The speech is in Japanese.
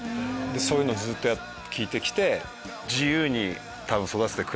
そういうのをずっと聴いてきて。